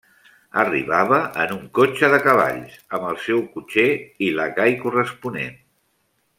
Arribava en un cotxe de cavall, amb el seu cotxer i lacai corresponent.